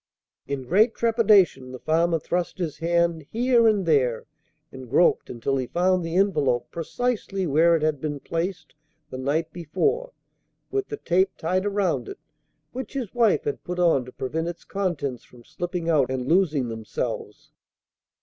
In great trepidation the farmer thrust in his hand here and there, and groped, until he found the envelope precisely where it had been placed the night before, with the tape tied around it, which his wife had put on to prevent its contents from slipping out and losing themselves.